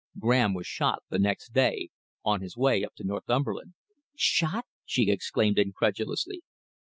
Graham was shot the next day, on his way up to Northumberland." "Shot?" she exclaimed incredulously.